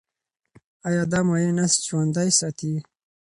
ایا دا مایع نسج ژوندی ساتي؟